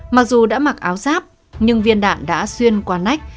mặc dù đã mặc áo ráp nhưng viên đạn đã xuyên qua nách